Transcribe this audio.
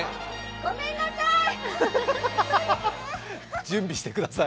ごめんなさい！